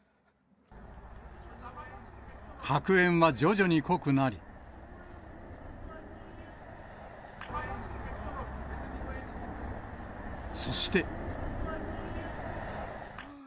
白煙は徐々に濃くなり、そして。